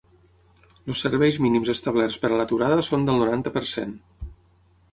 Els serveis mínims establerts per a l’aturada són del noranta per cent.